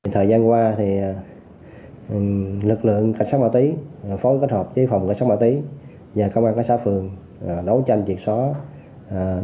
thời gian qua lực lượng cảnh sát ma túy phối kết hợp với phòng cảnh sát ma túy nhà công an cảnh sát phường đấu tranh triệt xóa